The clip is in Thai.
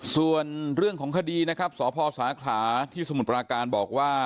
ส่วนเรื่องของคดีสศศที่สมุทรปราการบอกว่า